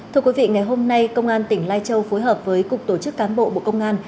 thưa quý vị ngày hôm nay công an tỉnh lai châu phối hợp với cục tổ chức cán bộ bộ công an